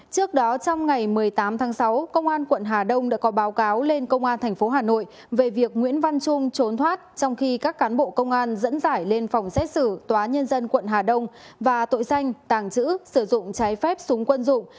trước đó trong ngày một mươi tám tháng sáu công an quận hà đông đã có báo cáo lên công an tp hà nội về việc nguyễn văn trung trốn thoát trong khi các cán bộ công an dẫn giải lên phòng xét xử tòa nhân dân quận hà đông và tội danh tàng trữ sử dụng trái phép súng quân dụng